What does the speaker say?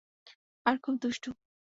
আর খুব দুষ্টু।